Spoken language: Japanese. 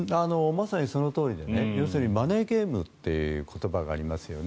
まさにそのとおりでマネーゲームという言葉がありますよね。